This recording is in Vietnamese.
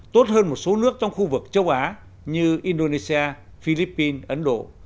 tốt hơn một số nước trong khu vực châu á như indonesia philippines ấn độ